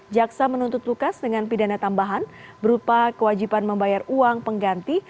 jaksa menuntut lukas dengan pidana tambahan berupa kewajiban membayar uang pengganti